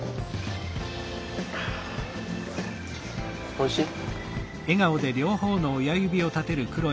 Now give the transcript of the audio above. おいしい？